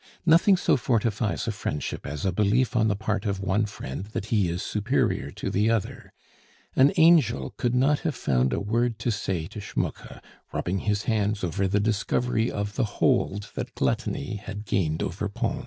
Nothing so fortifies a friendship as a belief on the part of one friend that he is superior to the other. An angel could not have found a word to say to Schmucke rubbing his hands over the discovery of the hold that gluttony had gained over Pons.